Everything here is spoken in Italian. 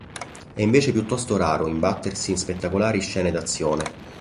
È invece piuttosto raro imbattersi in spettacolari scene d'azione.